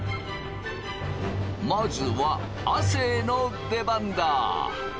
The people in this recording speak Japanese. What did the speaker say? まずは亜生の出番だ！